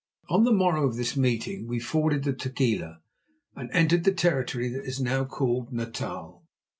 On the morrow of this meeting we forded the Tugela and entered the territory that is now called Natal.